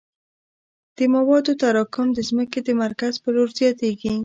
د موادو تراکم د ځمکې د مرکز په لور زیاتیږي